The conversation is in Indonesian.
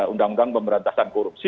undang undang pemberantasan korupsi